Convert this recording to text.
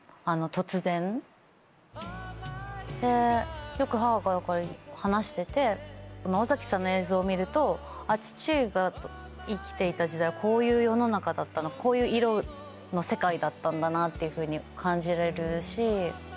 でよく母が話してて尾崎さんの映像を見ると父が生きていた時代はこういう世の中だったなこういう色の世界だったんだなっていうふうに感じられるし。